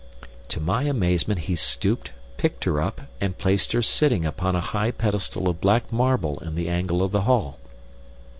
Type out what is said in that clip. To my amazement he stooped, picked her up, and placed her sitting upon a high pedestal of black marble in the angle of the hall.